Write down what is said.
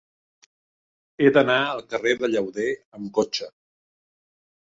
He d'anar al carrer de Llauder amb cotxe.